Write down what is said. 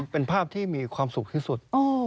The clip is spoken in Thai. เป็นภาพที่มีความสุขที่สุด